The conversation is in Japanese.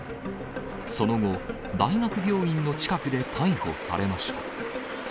その後、大学病院の近くで逮捕されました。